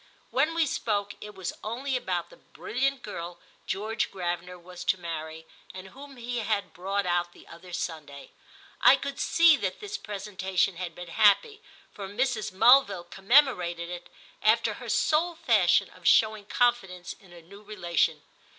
When we spoke it was only about the brilliant girl George Gravener was to marry and whom he had brought out the other Sunday. I could see that this presentation had been happy, for Mrs. Mulville commemorated it after her sole fashion of showing confidence in a new relation.